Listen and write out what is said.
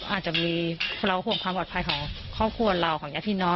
อาจจะมีเราห่วงความปลอดภัยของครอบครัวเราของญาติพี่น้อง